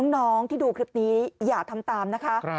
น้องที่ดูคลิปนี้อย่าทำตามนะคะ